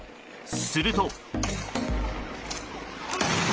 すると。